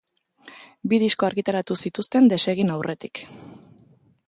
Bi disko argitaratu zituzten desegin aurretik.